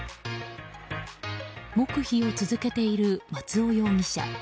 黙秘を続けている松尾容疑者。